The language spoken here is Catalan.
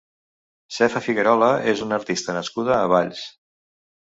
Sefa Figuerola és una artista nascuda a Valls.